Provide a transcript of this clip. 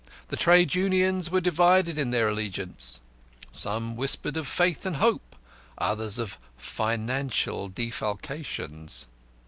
The Trade Unions were divided in their allegiance; some whispered of faith and hope, others of financial defalcations.